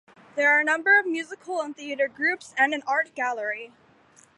There are a number of musical and theatre groups, and an art gallery.